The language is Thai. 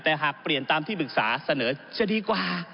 แต่หากเปลี่ยนตามที่ปรึกษาเสนอจะดีกว่า